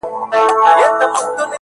ما ورکتل چي د مرګي پياله یې ونوشله!.